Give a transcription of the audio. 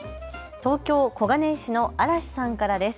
東京小金井市のあらしさんからです。